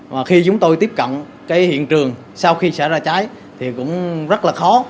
và khi chúng tôi tiếp cận cái hiện trường sau khi xảy ra cháy thì cũng rất là khó